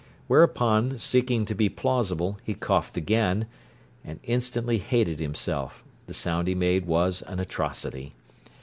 Whereupon, seeking to be plausible, he coughed again, and instantly hated himself: the sound he made was an atrocity.